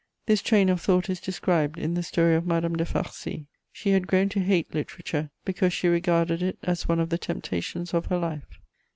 This train of thought is described in the story of Madame de Farcy; she had grown to hate literature, because she regarded it as one of the temptations of her life.